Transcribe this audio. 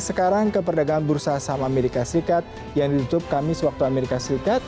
dan sekarang kita ke perdagangan bursa saham as yang ditutup kamis waktu as